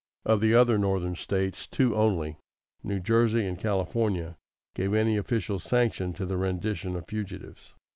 Of the other Northern States, two only, New Jersey and California, gave any official sanction to the rendition of fugitives.